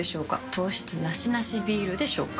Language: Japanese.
糖質ナシナシビールでしょうか？